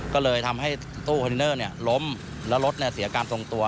ก็เลยทำให้ตู้คอนเทนเนอร์ล้มแล้วรถเสียการทรงตัว